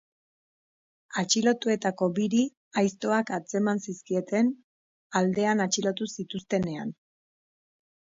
Atxilotuetako biri aiztoak atzeman zizkieten aldean atxilotu zituztenean.